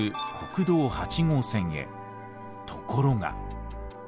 ところが。